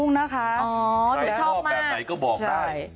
คุณชอบมากใครชอบแบบไหนก็บอกได้ใช่